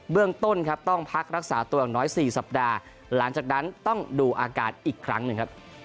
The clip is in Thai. เรื่องต้นครับต้องพักรักษาตัวอย่างน้อย๔สัปดาห์หลังจากนั้นต้องดูอาการอีกครั้งหนึ่งครับ